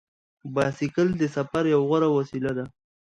بایسکل د سفر یوه غوره وسیله ده.